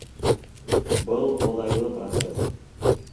— Был оҙайлы процесс.